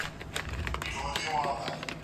ژورنالیزم پوهنځۍ په تصادفي ډول نه ټاکل کیږي.